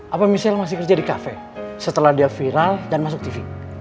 apa misalnya masih kerja di kafe setelah dia viral dan masuk tv